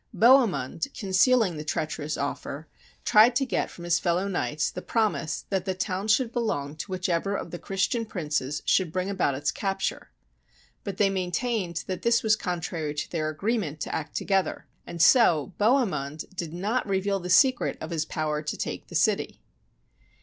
Bo hemund, concealing the treacherous offer, tried to get from his fellow knights the promise that the town should belong to whichever of the Christian princes should bring about its capture. But they maintained that this was contrary to their agree ment to act together, and so Bohemund did not re veal the secret of his power to take the city.